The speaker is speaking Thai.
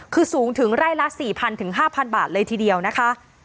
คือสูงถึงไร่ละสี่พันถึงห้าพันบาทเลยทีเดียวนะคะ